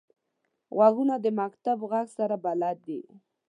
غوږونه د مکتب غږ سره بلد دي